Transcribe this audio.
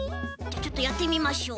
じゃあちょっとやってみましょう。